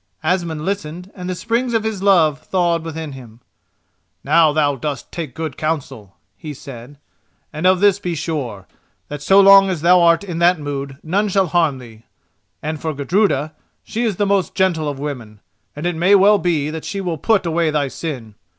Asmund listened and the springs of his love thawed within him. "Now thou dost take good counsel," he said, "and of this be sure, that so long as thou art in that mood none shall harm thee; and for Gudruda, she is the most gentle of women, and it may well be that she will put away thy sin.